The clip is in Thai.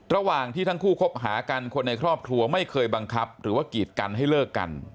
ระหว่างที่ทั้งคู่คบหากันคนในครอบครัวไม่เคยบังคับหรือว่ากีดกันให้เลิกกัน